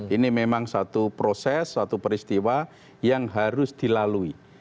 ini memang satu proses satu peristiwa yang harus dilalui